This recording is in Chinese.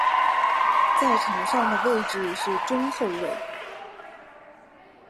在场上的位置是中后卫。